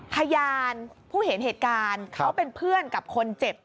พยานผู้เห็นเหตุการณ์เขาเป็นเพื่อนกับคนเจ็บ